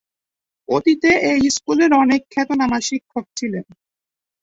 অতীতে এই স্কুলের অনেক খ্যাতনামা শিক্ষক ছিলেন।